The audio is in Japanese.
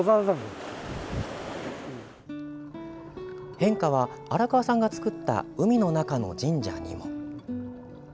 変化は荒川さんが作った海の中の神社にも。